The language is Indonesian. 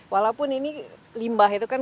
walaupun ini limbah itu kan